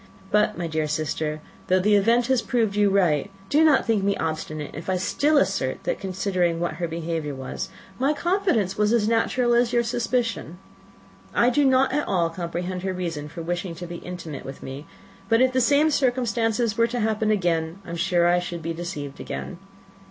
But, my dear sister, though the event has proved you right, do not think me obstinate if I still assert that, considering what her behaviour was, my confidence was as natural as your suspicion. I do not at all comprehend her reason for wishing to be intimate with me; but, if the same circumstances were to happen again, I am sure I should be deceived again.